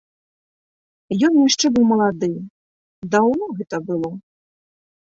Ён яшчэ быў малады, даўно гэта было.